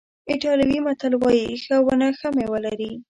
ایټالوي متل وایي ښه ونه ښه میوه لري.